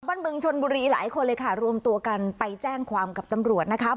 บึงชนบุรีหลายคนเลยค่ะรวมตัวกันไปแจ้งความกับตำรวจนะคะ